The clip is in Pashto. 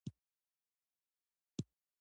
آیا نازو انا د پښتنو یوه لویه شاعره نه وه؟